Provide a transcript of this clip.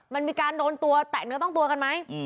มันมีการโดนตัวแตะเนื้อต้องตัวกันไหม